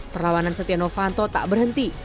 perlawanan setianofanto tak berhenti